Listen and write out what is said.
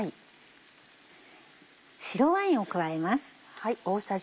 白ワインを加えます。